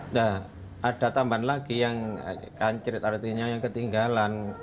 nah ada tambahan lagi yang kancirit artinya yang ketinggalan